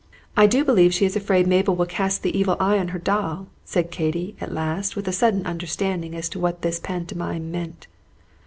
"I do believe she is afraid Mabel will cast the evil eye on her doll," said Katy at last, with a sudden understanding as to what this pantomime meant.